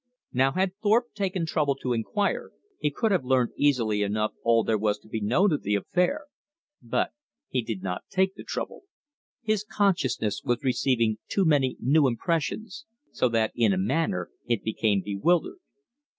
Now had Thorpe taken the trouble to inquire, he could have learned easily enough all there was to be known of the affair. But he did not take the trouble. His consciousness was receiving too many new impressions, so that in a manner it became bewildered.